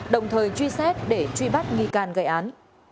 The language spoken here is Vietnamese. đồng thời truy xét để truy bắt nghi can gây án